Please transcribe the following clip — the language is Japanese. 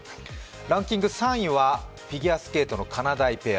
ランキング３位はフィギュアスケートのかなだいペア。